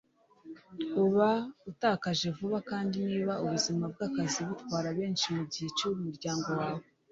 uba utakaje vuba kandi niba ubuzima bw'akazi butwara byinshi ku gihe cy'umuryango wawe